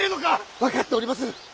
分かっておりまする。